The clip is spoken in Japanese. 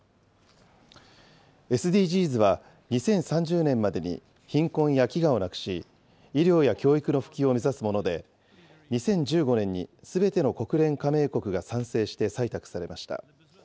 ＳＤＧｓは２０３０年までに貧困や飢餓をなくし、医療や教育の普及を目指すもので、２０１５年にすべての国連加盟国が賛成して採択されました。